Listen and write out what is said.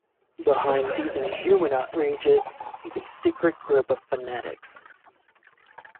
Behind these inhuman outrages is a secret group of fanatics.